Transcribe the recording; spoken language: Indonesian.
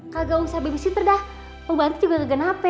kagak usah babysitter dah pembantu juga kagak nape